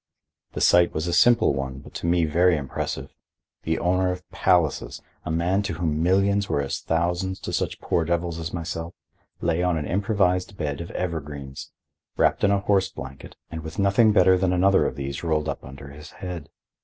The sight was a simple one, but to me very impressive. The owner of palaces, a man to whom millions were as thousands to such poor devils as myself, lay on an improvised bed of evergreens, wrapped in a horse blanket and with nothing better than another of these rolled up under his head.